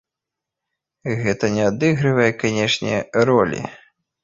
Гэта не адыгрывае, канешне, ролі.